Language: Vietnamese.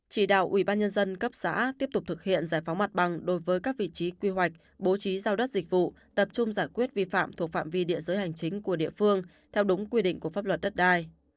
chỉ đạo ubnd cấp xã tiếp tục thực hiện giải phóng mặt bằng đối với các vị trí quy hoạch bố trí giao đất dịch vụ tập trung giải quyết vi phạm thuộc phạm vi địa giới hành chính của địa phương theo đúng quy định của pháp luật đất đai